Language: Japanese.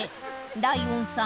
ライオンさん